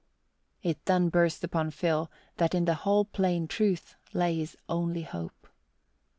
It then burst upon Phil that in the whole plain truth lay his only hope.